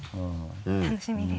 楽しみです。